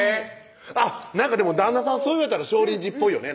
あっなんかでも旦那さんそう言われたら少林寺っぽいよね